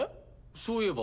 そういえば。